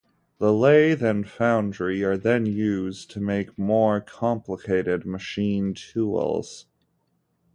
The lathe and foundry are then used to make more complicated machine tools.